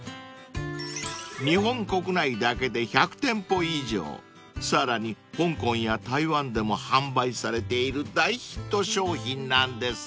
［日本国内だけで１００店舗以上さらに香港や台湾でも販売されている大ヒット商品なんです］